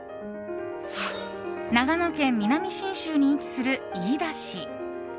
長野県南信州に位置する飯田市。